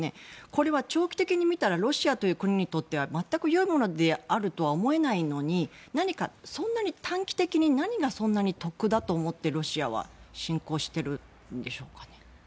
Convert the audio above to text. これは長期的に見たらロシアという国にとって全く有益であるとは思えないのに何かそんなに短期的に何がそんなに得だと思ってロシアは侵攻してるんでしょうか。